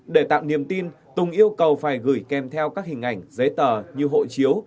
để tạo niềm tin tùng yêu cầu phải gửi kèm theo các hình ảnh giấy tờ như hộ chiếu